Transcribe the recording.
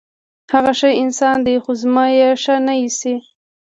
هغه ښه انسان دی، خو زما یې ښه نه ایسي.